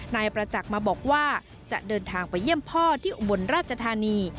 นายประจักษ์มาบอกว่าจะเดินทางไปเยี่ยมพ่อที่อุบลราชธานี